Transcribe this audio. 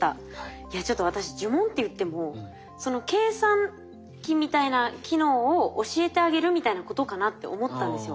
いやちょっと私呪文っていっても計算機みたいな機能を教えてあげるみたいなことかなって思ったんですよ。